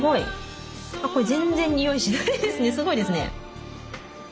すごいですね。